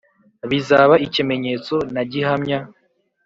Bizaba ikimenyetso na gihamya